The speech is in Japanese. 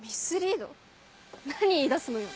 何言い出すのよ。